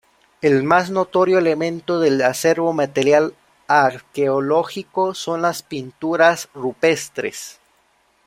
El más notorio elemento del acervo material arqueológico son las pinturas rupestres.